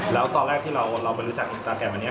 แล้วตอนแรกที่เราไปรู้จักอินสตาแกรมอันนี้